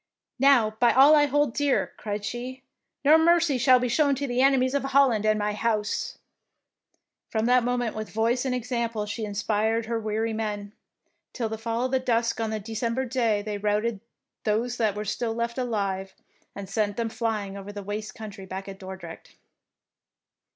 " Now, by all I hold dear," cried she, " no mercy shall be shown the enemies of Holland and my house." 92 THE PRINCESS WINS From that moment with voice and example she inspired her weary men, till with the fall of dusk on that Decem ber day they routed those that were still left alive, and sent them flying over the waste country back to Dordrecht.